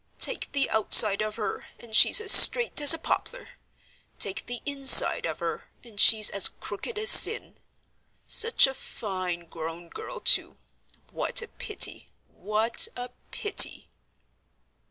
"Take the outside of her, and she's as straight as a poplar; take the inside of her, and she's as crooked as Sin. Such a fine grown girl, too. What a pity! what a pity!"